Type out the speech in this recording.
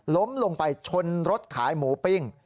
ล้มลงไปชนรถขายหมูปิ้ง